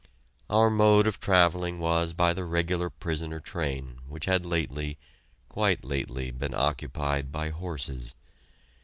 Our mode of travelling was by the regular prisoner train which had lately quite lately been occupied by horses.